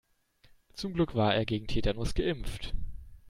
Zum Glück war er gegen Tetanus geimpft.